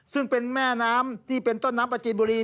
ซึ่งเป็นแม่น้ำที่เป็นต้นน้ำประจีนบุรี